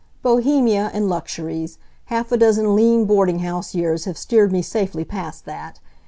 Bohemia and luxuries! Half a dozen lean boarding house years have steered me safely past that.